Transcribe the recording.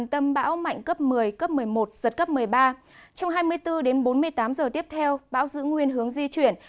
trong hai mươi bốn đến bốn mươi tám giờ tiếp theo bão giữ nguyên hướng di chuyển